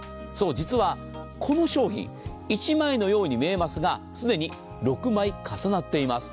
実はこの商品、１枚のように見えますが既に６枚重なっています